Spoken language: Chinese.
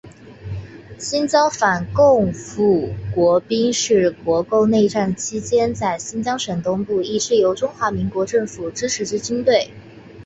新疆反共复国军是国共内战期间在新疆省东部一支由中华民国政府支持之军队。